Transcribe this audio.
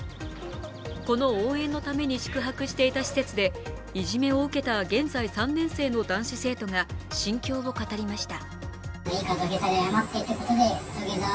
この応援のために宿泊していた施設でいじめを受けた現在３年生の男子生徒が心境を語りました。